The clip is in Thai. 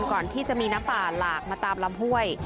ก่อนที่จะมีน้ำป่าหลากมาตามลำห้วย